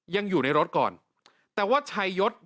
ยังอยู่ในรถก่อนแต่ว่าชัยยศ